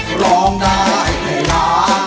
คุณร้องได้ให้ร้าง